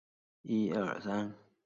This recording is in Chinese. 过劳不会出人命